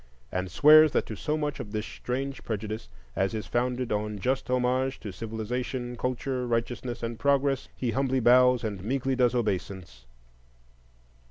and swears that to so much of this strange prejudice as is founded on just homage to civilization, culture, righteousness, and progress, he humbly bows and meekly does obeisance.